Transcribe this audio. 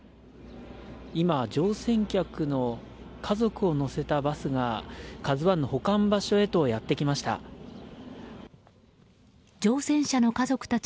今、乗船客の家族を乗せたバスが「ＫＡＺＵ１」の保管場所へとやってきました。